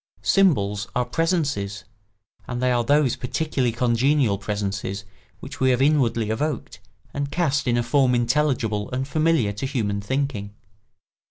Symbols are presences, and they are those particularly congenial presences which we have inwardly evoked and cast in a form intelligible and familiar to human thinking.